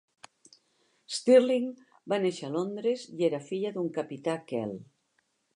Stirling va néixer a Londres i era filla d'un capità Kehl.